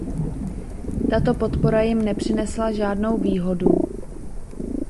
Tato podpora jim nepřinesla žádnou výhodu.